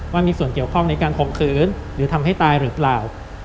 ว่ามีส่วนเกี่ยวข้องในการข่มขืนหรือทำให้ตายหรือเปล่า